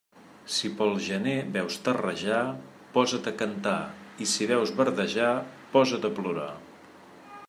Si pel gener veus terrejar, posa't a cantar, i si veus verdejar, posa't a plorar.